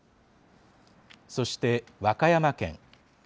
そして、和歌山県。